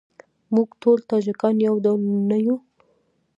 موږ ټول تاجیکان یو ډول نه یوو.